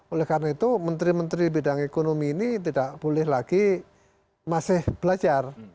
oleh karena itu menteri menteri bidang ekonomi ini tidak boleh lagi masih belajar